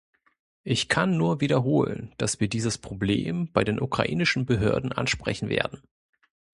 Ich kann nur wiederholen, dass wir dieses Problem bei den ukrainischen Behörden ansprechen werden.